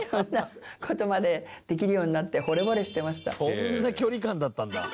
「そんな距離感だったんだ」